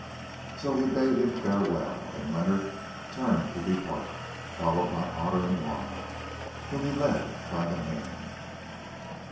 So he bade him farewell, and Leonard turned to depart, followed by Otter and Juanna, whom he led by the hand.